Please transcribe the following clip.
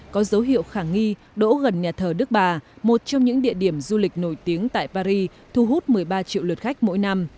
có dấu hiệu khả nghi đỗ gần nhà thờ đức bà một trong những địa điểm du lịch nổi tiếng tại paris thu hút một mươi ba triệu lượt khách mỗi năm